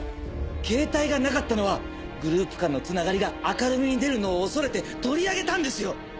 ケータイがなかったのはグループ間のつながりが明るみに出るのを恐れて取り上げたんですよ。